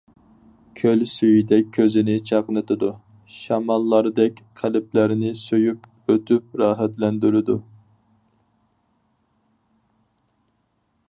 كۆل سۈيىدەك كۆزنى چاقنىتىدۇ، شاماللاردەك قەلبلەرنى سۆيۈپ ئۆتۈپ راھەتلەندۈرىدۇ.